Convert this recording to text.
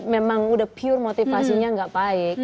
memang udah pure motivasinya gak baik